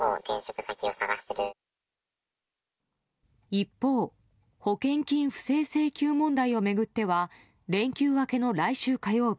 一方保険金不正請求問題を巡っては連休明けの来週火曜日